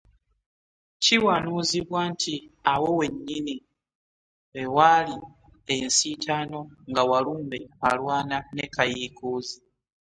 Kiwanuuzibwa nti awo wennyini we waali ensiitaano nga Walumbe alwana ne Kayiikuuzi.